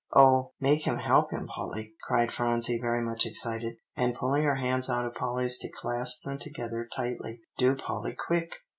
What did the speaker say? '" "Oh, make him help him, Polly," cried Phronsie very much excited, and pulling her hands out of Polly's to clasp them together tightly. "Do, Polly, quick!"